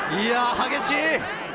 激しい！